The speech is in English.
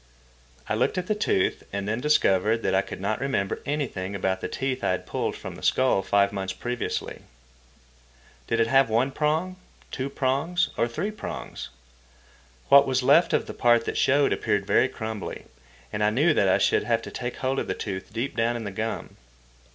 I looked at the tooth, and then discovered that I could not remember anything about the teeth I had pulled from the skull five months previously. Did it have one prong? two prongs? or three prongs? What was left of the part that showed appeared very crumbly, and I knew that I should have taken hold of the tooth deep down in the gum.